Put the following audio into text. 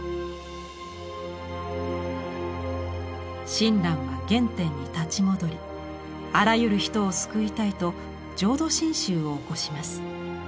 親鸞は原点に立ち戻りあらゆる人を救いたいと浄土真宗を興します。